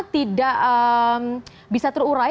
tidak bisa terurai